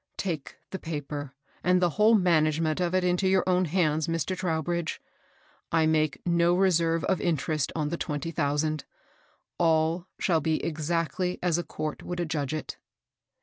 Take the paper and the whole management of it into your own hands, Mr. Trowbridge. I make no reserve of interest on the twenty thousand, — all shall be exactly as a court would adjudge it."